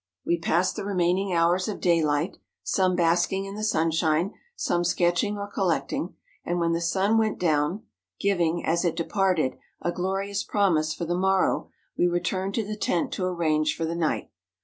We passed the remaining hours of daylight — some basking in the sunshine, some sketching or collecting, and when the sun went down (giving, as it departed, a glorious promise for the morrow) we returned to the tent to arrange for the night.